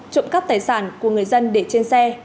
trộm cắp tài sản của người dân để trên xe